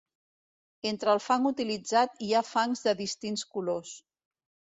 Entre el fang utilitzat hi ha fangs de distints colors.